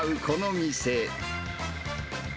この店。